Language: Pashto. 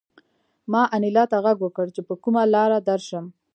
ما انیلا ته غږ وکړ چې په کومه لاره درشم